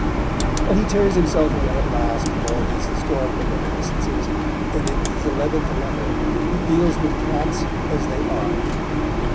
But he tears himself away at last from all these historical reminiscences, and in his eleventh letter he deals with cats as they are.